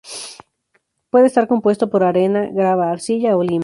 Puede estar compuesto por arena, grava, arcilla o limo.